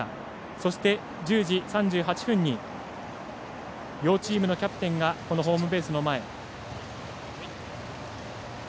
そして、１０時３８分に両チームのキャプテンがホームベースの前。